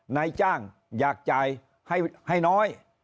นายจ้างอยากจ่ายให้น้อย